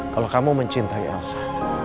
kalau kamu mencintai elsa